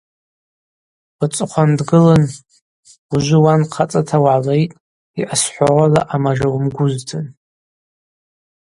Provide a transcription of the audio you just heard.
Уацӏыхъван дгылын: Ужвы уан хъацӏата угӏалритӏ йъасхӏвауала амажа уымгузтын.